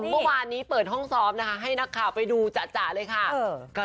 เมื่อวานนี้เปิดห้องซ้อมนะคะให้นักข่าวไปดูจ่ะเลยค่ะ